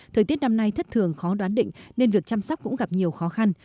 thời tiết năm nay thất thường khó đoán định nên việc chăm sóc cũng gặp nhiều khó khăn